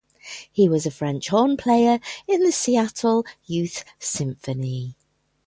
He was a French horn player in the Seattle Youth Symphony.